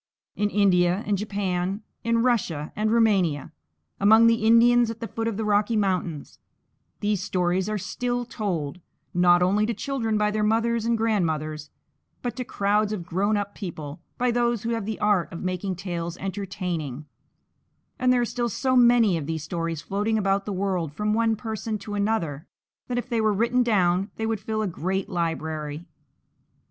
In India and Japan, in Russia and Roumania, among the Indians at the foot of the Rocky Mountains, these stories are still told, not only to children by their mothers and grandmothers, but to crowds of grown up people by those who have the art of making tales entertaining; and there are still so many of these stories floating about the world from one person to another that if they were written down they would fill a great library.